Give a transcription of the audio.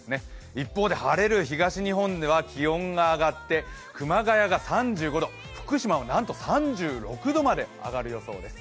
一方で晴れる東日本では気温が上がって、熊谷が３５度、福島はなんと３６度まで上がる予想です。